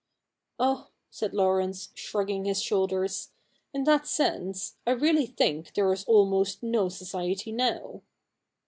' Oh,' said Laurence, shrugging his shoulders, ' in that sense, I really think there is almost no society now.'